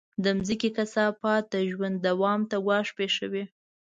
د مځکې کثافات د ژوند دوام ته ګواښ پېښوي.